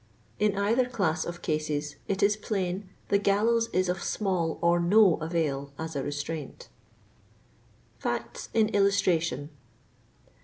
In either class of cases it is plain the gallows is of small or no avail as a restraint. FACTS IN ILLUSTRATION.